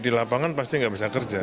di lapangan pasti nggak bisa kerja